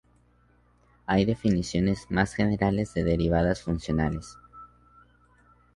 Hay definiciones más generales de derivadas funcionales.